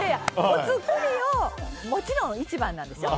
お造りがもちろん一番なんですよ。